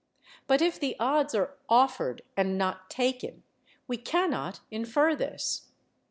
But if the odds are offered and not taken, we cannot infer this.